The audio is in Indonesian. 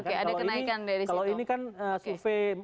kalau ini kan survey